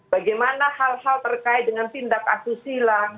bagaimana hal hal terkait dengan tindak asusila